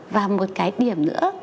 và một cái điểm nữa